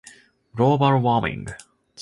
global warming